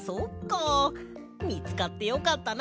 みつかってよかったな！